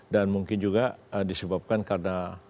mungkin juga disebabkan karena